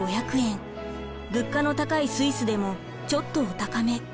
物価の高いスイスでもちょっとお高め。